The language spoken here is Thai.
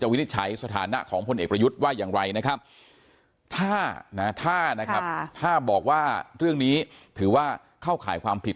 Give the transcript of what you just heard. วินิจฉัยสถานะของพลเอกประยุทธ์ว่าอย่างไรนะครับถ้านะครับถ้าบอกว่าเรื่องนี้ถือว่าเข้าข่ายความผิด